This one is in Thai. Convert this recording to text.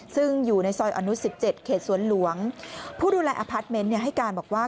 ซึ่งอยู่ในซอยอนุ๑๗เขตสวนหลวงผู้ดูแลอพาร์ทเมนต์ให้การบอกว่า